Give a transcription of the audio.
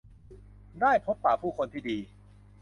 ได้พบปะผู้คนที่ดี